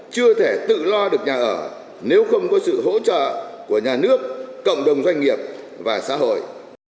chưa thể tự lo được nhà ở nếu không có sự hỗ trợ của nhà nước cộng đồng doanh nghiệp và xã hội